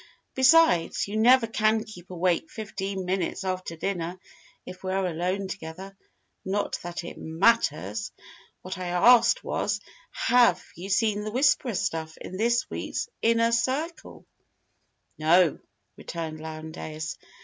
Besides, you never can keep awake fifteen minutes after dinner if we're alone together. Not that it matters! ... What I asked was, have you seen 'the Whisperer stuff' in this week's Inner Circle?" "No," returned Lowndes.